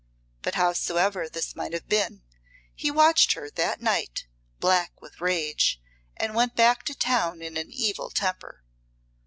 But howsoever this might have been, he watched her that night, black with rage, and went back to town in an evil temper.